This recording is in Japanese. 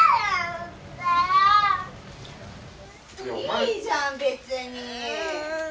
いいじゃん別に。